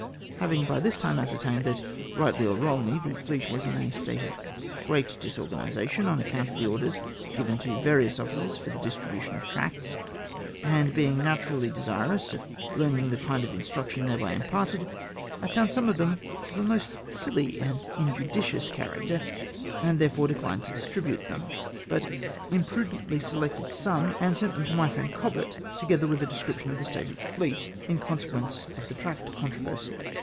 Having by this time ascertained that, rightly or wrongly, the fleet was in a state of great disorganisation on account of the orders given to various officers for the distribution of tracts, and being naturally desirous of learning the kind of instruction thereby imparted, I found some of them of a most silly and injudicious character, and therefore dechned to distribute them, but imprudently selected some, and sent them to my friend Cobbett, together with a description of the state of the fleet, in consequence of the tract controversy.